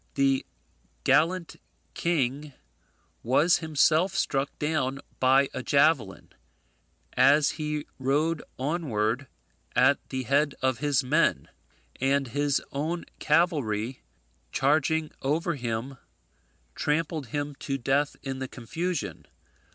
The gallant king was himself struck down by a javelin, as he rode onward at the head of his men, and his own cavalry charging over him trampled him to death in the confusion.